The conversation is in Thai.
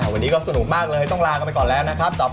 วันนี้ก็สนุกมากเลยต้องลากันไปก่อนแล้วนะครับ